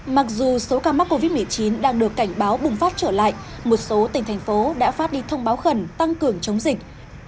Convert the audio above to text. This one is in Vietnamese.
mặc dù số ca mắc covid một mươi chín đang được cảnh báo bùng phát trở lại một số tỉnh thành phố đã phát đi thông báo khẩn tăng cường chống dịch